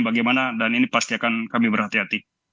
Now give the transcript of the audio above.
bagaimana dan ini pasti akan kami berhati hati